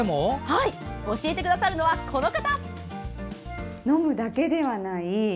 教えてくださるのは、この方。